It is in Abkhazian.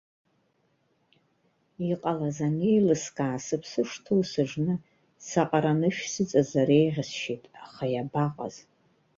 Иҟалаз анеилыскаа, сыԥсы шҭоу сыжны, саҟара анышә сыҵазар еиӷьасшьеит, аха иабаҟаз.